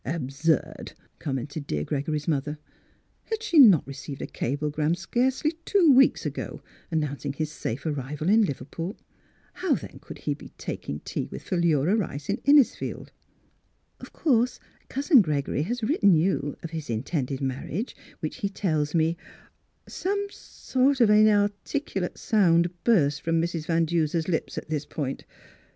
" Absurd !" commented dear Gregory's mother. Had she not received a cable gram scarcely two weeks ago announcing his safe arrival in Liverpool? How then could he be taking tea with Philura Rice in Innisfield? " Of course Cousin Gregory has writ ten you of his intended marriage, which he tells me —" Some sort of inarticulate sound burst from Mrs. Van Duser's lips at this point.